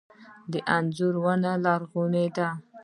د انځر ونه لرغونې ده